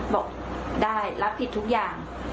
บอกได้รับผิดทุกอย่าง